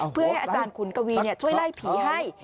เพื่อให้อาจารย์ขุนกวีช่วยไล่ผีให้